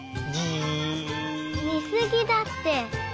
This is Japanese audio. みすぎだって！